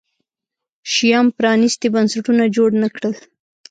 شیام پرانیستي بنسټونه جوړ نه کړل.